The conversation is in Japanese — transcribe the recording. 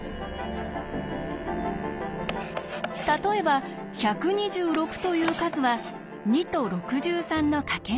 例えば１２６という数は２と６３のかけ算に。